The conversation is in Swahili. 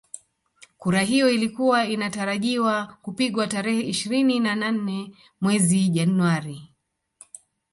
Kura hiyo ilikuwa inatarajiwa kupigwa tarehe ishirini na nane mwezi Januari